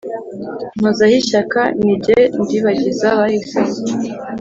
mpozaho ishyaka, ni ge ndibagiza bahisemo